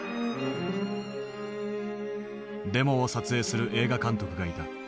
デモを撮影する映画監督がいた。